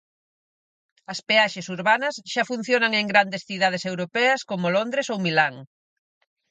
As peaxes urbanas xa funcionan en grandes cidades europeas como Londres ou Milán.